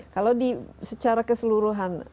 kalau secara keseluruhan